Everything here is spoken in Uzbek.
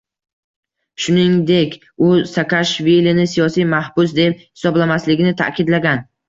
Shuningdek, u Saakashvilini siyosiy mahbus deb hisoblamasligini ta’kidlagan